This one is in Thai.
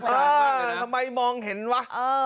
ทำไมมองเห็นวะ